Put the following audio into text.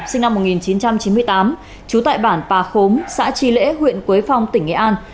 sinh năm một nghìn chín trăm chín mươi tám trú tại bản pà khốm xã tri lễ huyện quế phong tỉnh nghệ an